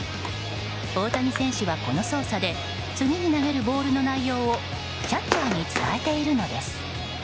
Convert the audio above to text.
大谷選手は、この操作で次に投げるボールの内容をキャッチャーに伝えているのです。